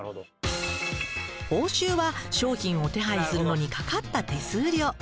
報酬は商品を手配するのにかかった手数料。